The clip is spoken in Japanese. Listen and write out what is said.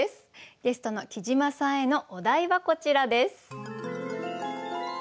ゲストのきじまさんへのお題はこちらです。